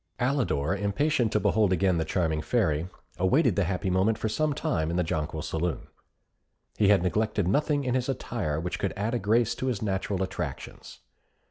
Alidor, impatient to behold again the charming Fairy, awaited the happy moment for some time in the Jonquil Saloon. He had neglected nothing in his attire which could add a grace to his natural attractions.